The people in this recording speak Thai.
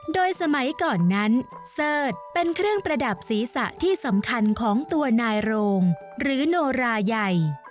โดยสมัยก่อนนั้นเสิร์ธเป็นเครื่องประดับศีรษะที่สำคัญของตัวนายโรงหรือโนราใหญ่